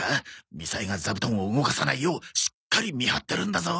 みさえが座布団を動かさないようしっかり見張ってるんだぞ。